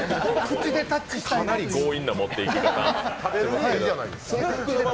かなり強引な持っていき方ですね。